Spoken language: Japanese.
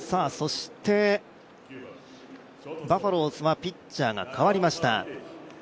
バファローズはピッチャーがかわりました。